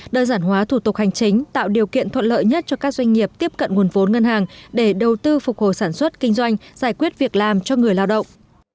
đơn giản hóa thủ tục hành chính tạo điều kiện thuận lợi nhất cho các doanh nghiệp tiếp cận nguồn vốn ngân hàng để đầu tư phục hồi sản xuất kinh doanh giải quyết việc làm cho người lao động